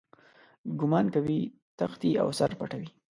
ګومان کوي تښتي او سر پټوي.